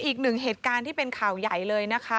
อีกหนึ่งเหตุการณ์ที่เป็นข่าวใหญ่เลยนะคะ